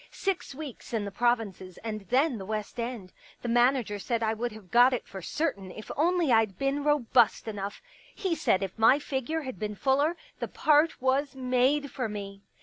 " Six weeks in the provinces and then the West End. The manager said I would have got it for certain if only I'd been robust enough. He said if my figure had been fuller, the part was made for me."